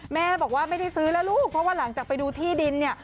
แม่บอกว่าไม่ได้ซื้อแล้วลูกเพราะว่าหลังจากไปดูที่ดินเนี่ย